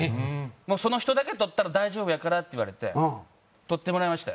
もうその人だけとったら大丈夫やからって言われてとってもらいまして。